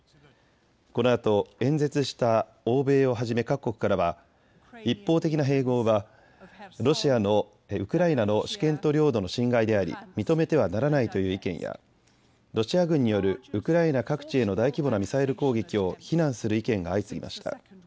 このあと演説した欧米をはじめ各国からは一方的な併合はウクライナの主権と領土の侵害であり認めてはならないという意見やロシア軍によるウクライナ各地への大規模なミサイル攻撃を非難する意見が相次ぎました。